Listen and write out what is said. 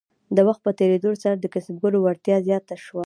د وخت په تیریدو سره د کسبګرو وړتیا زیاته شوه.